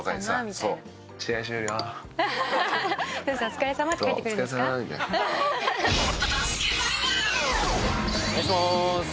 お願いします。